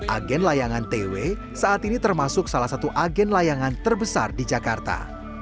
agen layangan tw saat ini termasuk salah satu agen layangan terbesar di jakarta